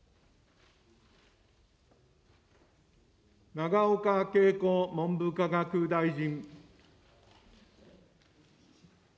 永岡桂子文部科学大臣。